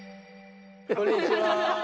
こんにちは。